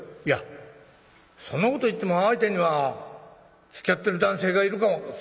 「いやそんなこと言っても相手にはつきあってる男性がいるかも」。